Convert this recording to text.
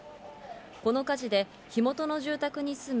この火事で火元の住宅に住む